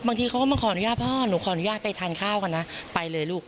เขาก็มาขออนุญาตพ่อหนูขออนุญาตไปทานข้าวก่อนนะไปเลยลูก